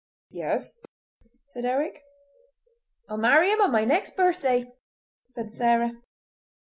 "Yes," said Eric. "I'll marry him on my next birthday," said Sarah.